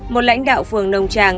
một lãnh đạo phường nông trang